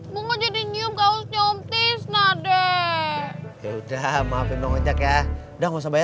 gue nggak jadi nyium gausnya om tisna deh ya udah maafin dong ngajak ya udah nggak usah bayar